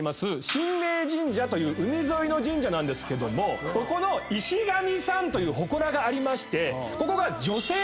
神明神社という海沿いの神社なんですけどもここの石神さんというほこらがありましてここが女性の守り神といわれてるんです。